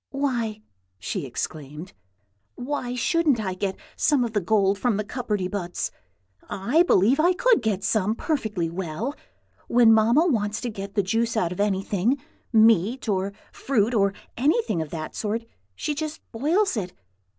"Why!" she exclaimed, "why shouldn't I get some of the gold from the cupperty buts? I believe I could get some, perfectly well. When Mamma wants to get the juice out of anything, meat, or fruit, or anything of that sort, she just boils it.